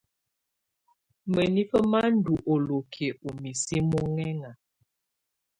Mǝ́nifǝ́ má ndɔ́ ɔlókiǝ́ ú misi mɔ́ŋɛŋa.